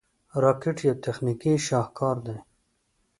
راکټ یو تخنیکي شاهکار دی